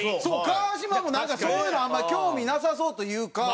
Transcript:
川島もなんかそういうのにあんまり興味なさそうというか。